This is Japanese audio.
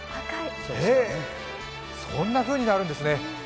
へえ、そんなふうになるんですね。